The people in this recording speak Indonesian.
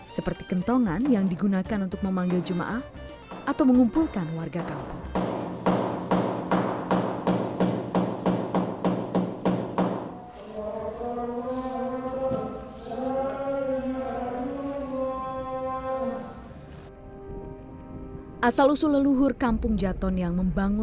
seperti kentongan yang digunakan untuk memanggil jemaah atau mengumpulkan warga kampung